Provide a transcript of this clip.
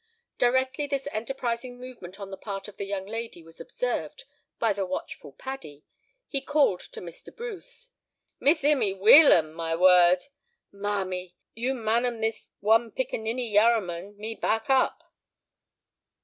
Directly this enterprising movement on the part of the young lady was observed by the watchful Paddy, he called to Mr. Bruce, "Miss Immy wheel 'em, my word. Marmy! you man'em this one piccanniny yarraman, me 'back up.